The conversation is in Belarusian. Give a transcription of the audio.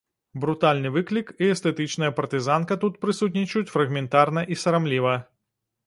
Брутальны выклік і эстэтычная партызанка тут прысутнічаюць фрагментарна і сарамліва.